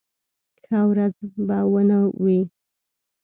ښه ورځ به و نه وي.